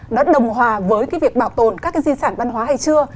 nó đồng hòa với cái việc bảo tồn các cái di sản văn hóa hay chưa